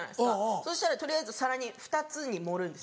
そうしたら取りあえず皿に２つに盛るんです。